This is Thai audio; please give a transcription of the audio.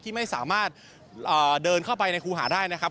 ไม่สามารถเดินเข้าไปในครูหาได้นะครับ